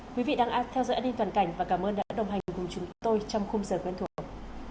quý vị đang theo dõi ấn điên toàn cảnh và cảm ơn đã đồng hành cùng chúng tôi trong khung sở quen thuộc